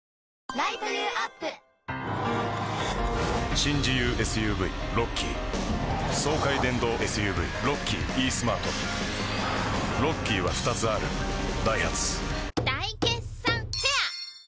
新自由ＳＵＶロッキー爽快電動ＳＵＶロッキーイースマートロッキーは２つあるダイハツ大決算フェア